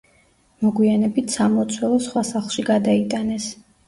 მოგვიანებით სამლოცველო სხვა სახლში გადაიტანეს.